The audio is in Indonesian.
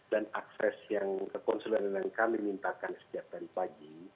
dan akses yang ke konsulernya kami mintakan setiap hari pagi